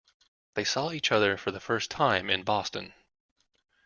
They saw each other for the first time in Boston.